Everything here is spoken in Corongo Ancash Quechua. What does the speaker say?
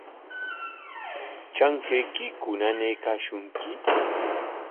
¿Trankaykiku nanaykashunki?